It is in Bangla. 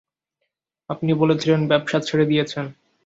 আপনি বলেছিলেন ব্যবসা ছেড়ে দিয়েছেন।